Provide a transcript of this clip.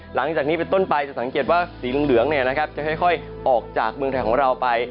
หลังจากนี้เป็นต้นไปจะสังเกตว่าสีเหลืองจะค่อยออกจากเมืองไทยของเราไป